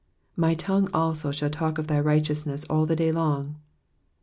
''My tongue also shall talk of thy righteousness all the day long.'